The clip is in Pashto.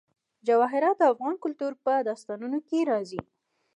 جواهرات د افغان کلتور په داستانونو کې راځي.